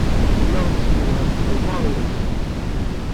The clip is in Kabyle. Tella tsenned ɣef tɣemmar-nnes.